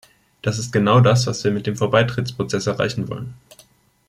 Das ist genau das, was wir mit dem Vorbeitrittsprozess erreichen wollen.